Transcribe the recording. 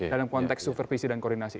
dalam konteks supervisi dan koordinasi